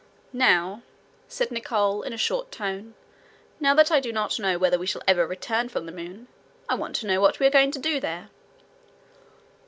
"Now," said Nicholl, in a short tone, "now that I do not know whether we shall ever return from the moon, I want to know what we are going to do there?"